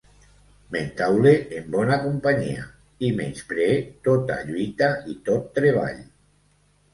M’entaule en bona companyia, i menyspree tota lluita i tot treball.